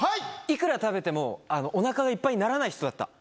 いくら食べでも、おなかがいっぱいにならない人だった。